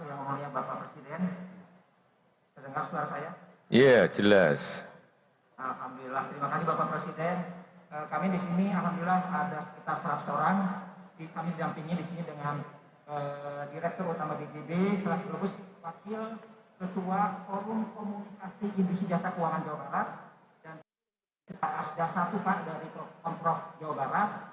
ini selanjutnya wakil ketua forum komunikasi industri jasa keuangan jawa barat dan setakas dasar tupak dari komprok jawa barat